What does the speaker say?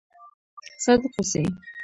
صادق اوسئ